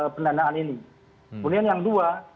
pendanaan ini kemudian yang dua